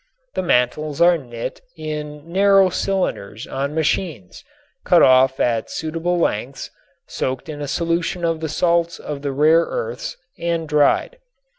The mantles are knit in narrow cylinders on machines, cut off at suitable lengths, soaked in a solution of the salts of the rare earths and dried.